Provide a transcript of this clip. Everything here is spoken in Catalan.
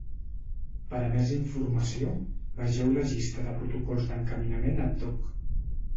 Per a més informació, vegeu la llista de protocols d'encaminament ad hoc.